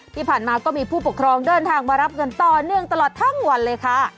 ที่ผ่านมาก็มีผู้ปกครองเดินทางมารับเงินต่อเนื่องตลอดทั้งวันเลยค่ะ